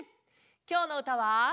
きょうのうたは。